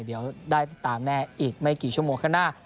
เดี๋ยวได้ติดตามแน่อีกไม่กี่ชั่วโมงข้างหน้า